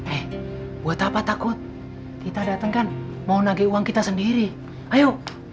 eh buat apa takut kita datangkan mau nagih uang kita sendiri ayo